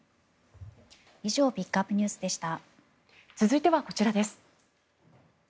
以上ピックアップＮＥＷＳでした。